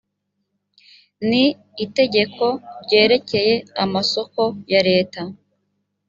ni itegeko ryerekeye amasoko ya leta